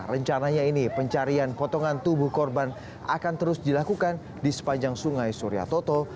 rencananya ini pencarian potongan tubuh korban akan terus dilakukan di sepanjang sungai suryatoto